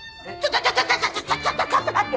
ちょちょちょちょちょっと待ってよ！